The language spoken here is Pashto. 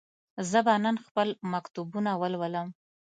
زه به نن خپل مکتوبونه ولولم.